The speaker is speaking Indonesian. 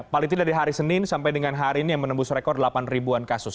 paling tidak dari hari senin sampai dengan hari ini yang menembus rekor delapan ribuan kasus